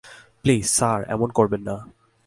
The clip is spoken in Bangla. প্লিজ, স্যার, এমন করবেন না।